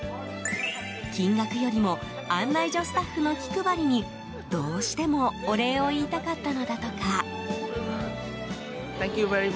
金額よりも案内所スタッフの気配りにどうしてもお礼を言いたかったのだとか。